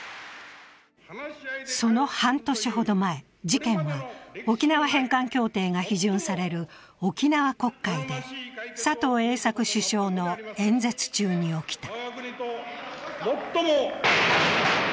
その半年ほど前、事件は沖縄返還協定が批准される沖縄国会で佐藤栄作首相の演説中に起きた。